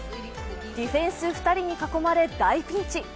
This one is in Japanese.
ディフェンス２人に囲まれ大ピンチ。